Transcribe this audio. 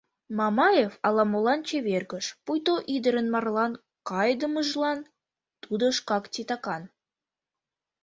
— Мамаев ала-молан чевергыш, пуйто ӱдырын марлан кайыдымыжлан тудо шкак титакан.